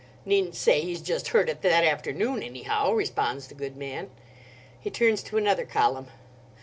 "Needn't say he's just heard it that afternoon, anyhow," responds the good man. He turns to another column.